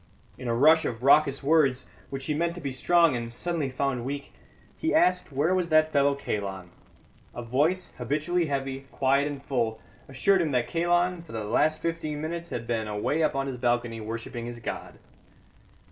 In a rush of raucous words, which he meant to be strong and suddenly found weak, he asked where was that fellow Kalon. A voice, habitually heavy, quiet and full, assured him that Kalon for the last fifteen minutes had been away up on his balcony worshipping his god.